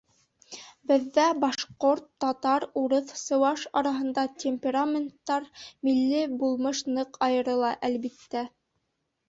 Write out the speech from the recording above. Беҙҙә, башҡорт, татар, урыҫ, сыуаш араһында, темпераменттар, милли булмыш ныҡ айырыла, әлбиттә.